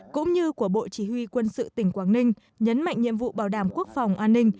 cũng như của bộ chỉ huy quân sự tỉnh quảng ninh nhấn mạnh nhiệm vụ bảo đảm quốc phòng an ninh